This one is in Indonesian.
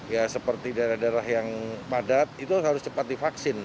ya seperti daerah daerah yang padat itu harus cepat divaksin